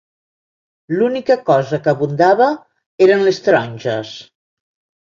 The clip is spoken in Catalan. L'única cosa que abundava eren les taronges